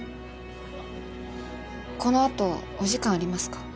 このあとお時間ありますか？